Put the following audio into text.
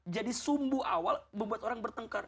jadi sumbu awal membuat orang bertengkar